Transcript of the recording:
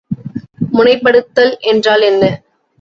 முனைப்படுதல் என்றால் என்ன?